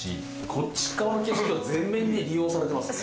こっちっ側の景色が全面に利用されてますね。